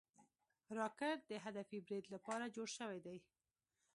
راکټ د هدفي برید لپاره جوړ شوی دی